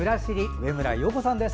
上村陽子さんです。